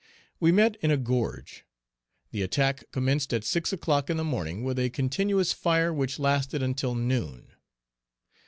We met in a gorge. The attack commenced at six o'clock in the morning with a continuous fire which lasted until noon.